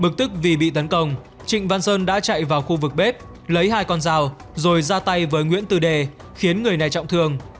bực tức vì bị tấn công trịnh văn sơn đã chạy vào khu vực bếp lấy hai con dao rồi ra tay với nguyễn tư đề khiến người này trọng thương